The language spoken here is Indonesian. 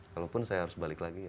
kalaupun saya harus balik lagi ya